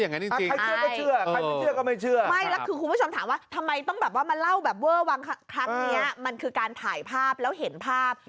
นี่คือการถ่ายภาพแล้วเห็นภาพ